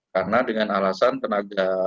karena dengan alasan tenaga